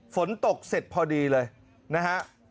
ฝนตกเสร็จพอดีเลยนะฮะ